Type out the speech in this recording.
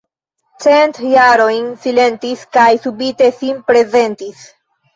Cent jarojn silentis kaj subite sin prezentis.